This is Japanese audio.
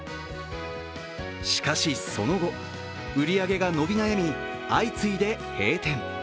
しかし、その後、売り上げが伸び悩み、相次いで閉店。